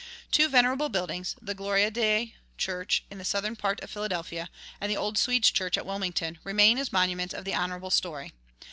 Two venerable buildings, the Gloria Dei Church in the southern part of Philadelphia, and the Old Swedes' Church at Wilmington, remain as monuments of the honorable story.